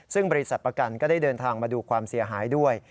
ซึ่งบริษัทประกันก็ได้เดินทางมาดูความเสียหายด้วย